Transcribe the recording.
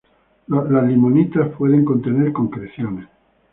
Las limolitas puede contener concreciones.